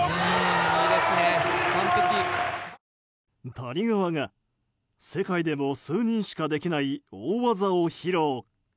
谷川が世界でも数人しかできない大技を披露。